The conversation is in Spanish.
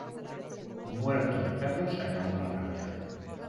Muerto el perro se acabó la rabia.